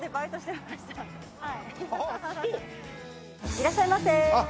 いらっしゃいませ！